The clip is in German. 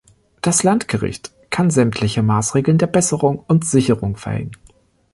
Das Landgericht kann sämtliche Maßregeln der Besserung und Sicherung verhängen.